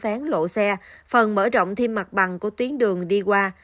sáng lộ xe phần mở rộng thêm mặt bằng của tuyến đường đi qua